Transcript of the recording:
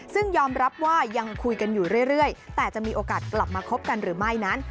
ซึ่งยอมรับว่ายังคุยกันอยู่เรื่อยแต่จะมีโอกาสกลับมาคบกันหรือไม่นั้น